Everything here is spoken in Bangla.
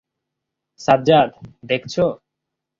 সাজ্জাদ, দেখছো?